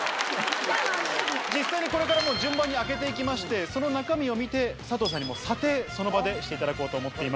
実際にこれから順番に開けて行きましてその中身を見て佐藤さんに査定その場でしていただこうと思っています。